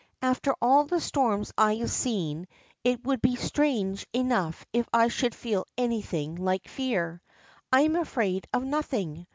After all the storms I have seen, it would he strange enough if I should feel anything like fear. I am afraid of nothing.